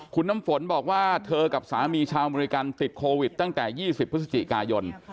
คุณน้ำฝนบอกว่าเธอกับสามีชาวอเมริกันติดโควิดตั้งแต่๒๐พฤศจิกายน